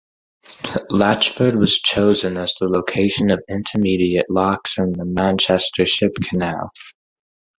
Latchford was chosen as the location of intermediate locks on the Manchester Ship Canal.